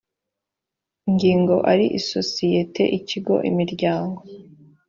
ngingo ari isosiyete ikigo imiryango